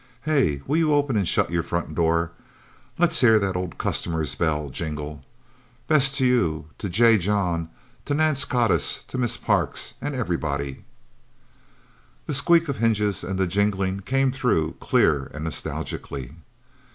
Hey will you open and shut your front door? Let's hear the old customer's bell jingle... Best to you, to J. John, to Nance Codiss, Miss Parks everybody..." The squeak of hinges and the jingling came through, clear and nostalgically.